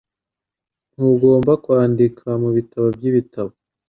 Ntugomba kwandika mubitabo byibitabo